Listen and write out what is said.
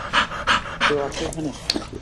কেউ আছো এখানে?